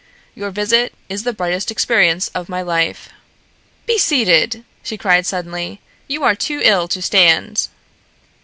Your visit is the brightest experience of my life." "Be seated!" she cried suddenly. "You are too ill to stand."